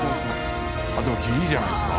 でもギリじゃないですか？